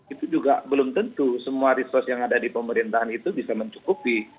itu juga belum tentu semua resource yang ada di pemerintahan itu bisa mencukupi